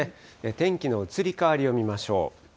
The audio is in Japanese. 天気の移り変わりを見ましょう。